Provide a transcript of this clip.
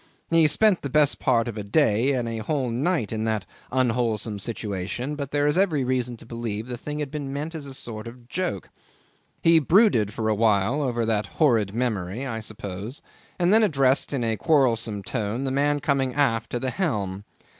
He spent the best part of a day and a whole night in that unwholesome situation, but there is every reason to believe the thing had been meant as a sort of joke. He brooded for a while over that horrid memory, I suppose, and then addressed in a quarrelsome tone the man coming aft to the helm.